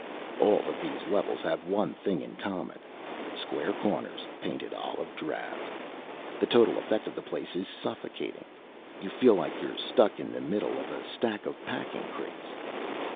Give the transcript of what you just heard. All of these levels have one thing in common. Square corners, painted olive drab. The total effect of the place is suffocating. You feel like you're stuck in the middle of a stack of packing crates.